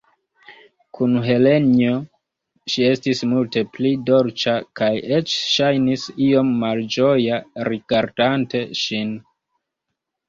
Kun Helenjo, ŝi estis multe pli dolĉa kaj eĉ ŝajnis iom malĝoja rigardante ŝin.